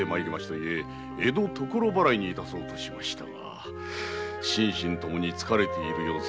ゆえ江戸・所払いに致そうとしましたが心身ともに疲れている様子。